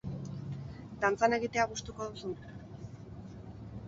Dantzan egitea gustuko duzu?